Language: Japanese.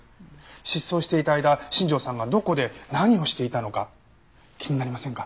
失踪していた間新庄さんがどこで何をしていたのか気になりませんか？